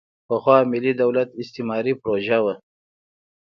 پخوا ملي دولت استعماري پروژه وه.